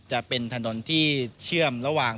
จะเป็นถนนที่เชื่อมระหว่าง